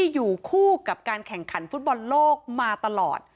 อยู่คู่กับการแข่งขันฟุตบอลโลกมาตลอด